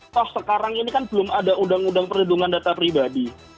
terus sekarang ini kan belum ada uud data pribadi